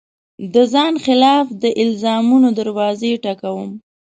د ځان خلاف د الزامونو دروازې ټک وم